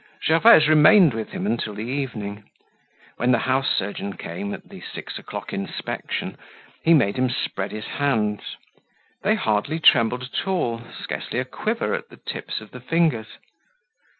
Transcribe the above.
Gervaise remained with him until the evening. When the house surgeon came, at the six o'clock inspection, he made him spread his hands; they hardly trembled at all, scarcely a quiver at the tips of the fingers.